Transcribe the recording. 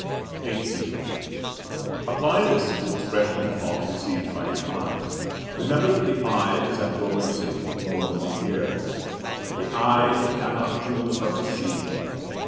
XVIII. Apply this to expressions of thought received by the eye. Remember that the eye is at your mercy more than the ear. "The eye it cannot choose but see."